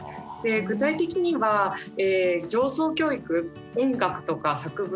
具体的には情操教育音楽とか作文